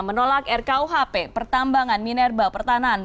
menolak rkuhp pertambangan mineral pertanahan